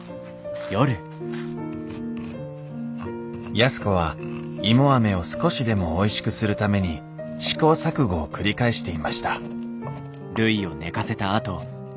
安子は芋アメを少しでもおいしくするために試行錯誤を繰り返していました